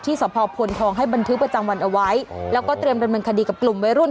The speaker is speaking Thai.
สะพอพลทองให้บันทึกประจำวันเอาไว้แล้วก็เตรียมดำเนินคดีกับกลุ่มวัยรุ่น